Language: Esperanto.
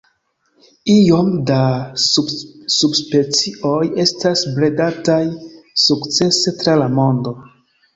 Iom da subspecioj estas bredataj sukcese tra la mondo.